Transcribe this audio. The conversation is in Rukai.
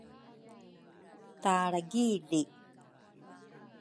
Talragi li